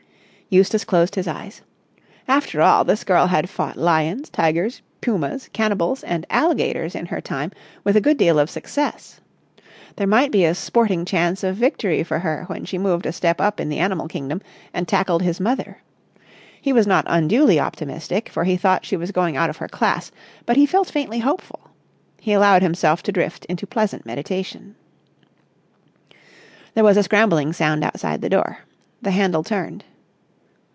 Eustace closed his eyes. After all, this girl had fought lions, tigers, pumas, cannibals, and alligators in her time with a good deal of success. There might be a sporting chance of victory for her when she moved a step up in the animal kingdom and tackled his mother. He was not unduly optimistic, for he thought she was going out of her class; but he felt faintly hopeful. He allowed himself to drift into pleasant meditation. There was a scrambling sound outside the door. The handle turned.